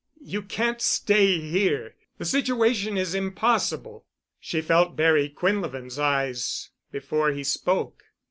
You can't stay here. The situation is impossible." She felt Barry Quinlevin's eyes before he spoke.